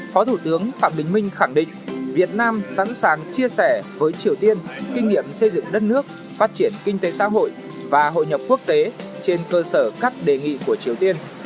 phó thủ tướng phạm bình minh khẳng định việt nam sẵn sàng chia sẻ với triều tiên kinh nghiệm xây dựng đất nước phát triển kinh tế xã hội và hội nhập quốc tế trên cơ sở các đề nghị của triều tiên